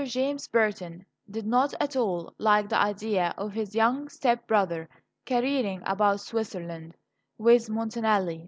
JAMES BURTON did not at all like the idea of his young step brother "careering about Switzerland" with Montanelli.